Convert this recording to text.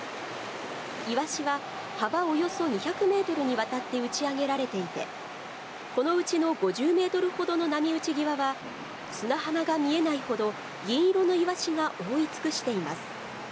イワシは幅およそ２００メートルにわたって打ち上げられていて、このうちの５０メートルほどの波打ち際は、砂浜が見えないほど銀色のイワシが覆い尽くしています。